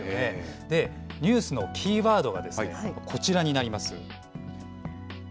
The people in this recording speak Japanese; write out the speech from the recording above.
ニュースのキーワードはですね、こちらになります。